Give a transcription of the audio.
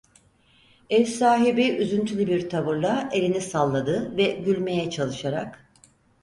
Ev sahibi üzüntülü bir tavırla elini salladı ve gülmeye çalışarak: